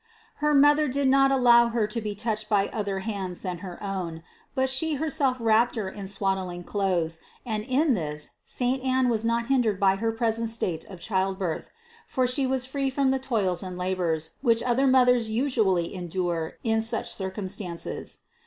Her mother did not allow Her to be touched by other hands than her own, but she herself wrapped Her in swaddling clothes: and in this Saint Anne was not hindered by her present state of childbirth ; for she was free from the toils and labors, which other mothers usually endure in such circum stances.